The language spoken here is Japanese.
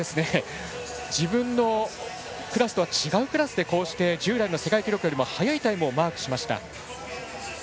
その中で、自分のクラスとは違うクラスでこうして従来の世界記録よりも速いタイムをマークしました。